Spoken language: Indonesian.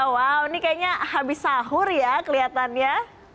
wow ini kayaknya habis sahur ya kelihatannya